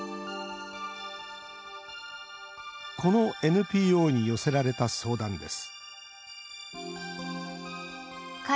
このＮＰＯに寄せられた相談です